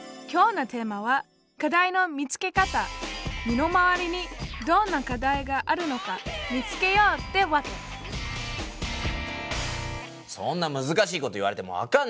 そう身の回りにどんな課題があるのか見つけようってわけそんなむずかしいこと言われてもわかんないよ！